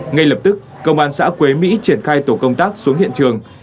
ngay lập tức công an xã quế mỹ triển khai tổ công tác xuống hiện trường